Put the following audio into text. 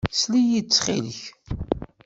Sel-iyi-d, ttxil-k.